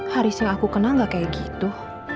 haris yang aku kenal gak kayak gitu